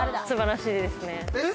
素晴らしいですね。